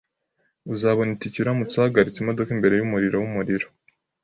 Uzabona itike uramutse uhagaritse imodoka imbere yumuriro wumuriro.